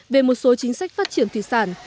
về một số chính sách phát triển thị sản